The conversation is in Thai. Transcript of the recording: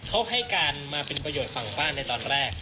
เขาให้การมาเป็นประโยชน์ฝั่งบ้านในตอนแรก